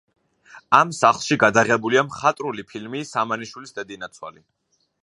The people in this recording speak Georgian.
ამ სახლში გადაღებულია მხატვრული ფილმი სამანიშვილის დედინაცვალი.